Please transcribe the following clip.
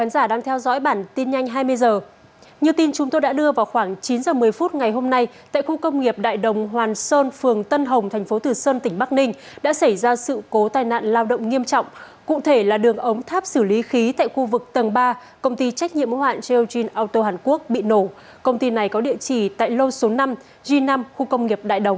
các bạn hãy đăng ký kênh để ủng hộ kênh của chúng mình nhé